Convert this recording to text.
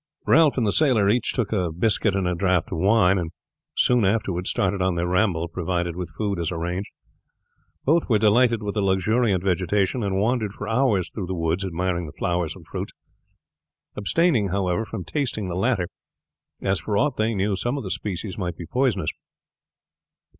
Ralph and the sailor each took a biscuit and a draught of wine, and soon afterward started on their ramble provided with food as arranged. Both were delighted with the luxuriant vegetation, and wandered for hours through the woods admiring the flowers and fruits, abstaining, however, from tasting the latter, as for aught they knew some of the species might be poisonous.